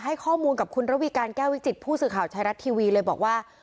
ให้ข้อมูลกับคุณระวีการแก้ววิจิตผู้สื่อข่าวไทยรัฐทีวีเลยบอกว่า